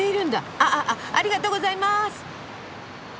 あああありがとうございます。